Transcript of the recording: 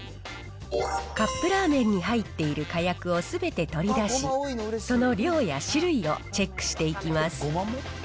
カップラーメンに入っているかやくをすべて取り出し、その量や種類をチェックしていきます。